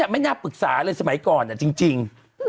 ไม่น่าปรึกษาเลยสมัยก่อนจริง